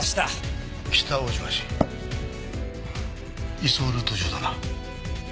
移送ルート上だな。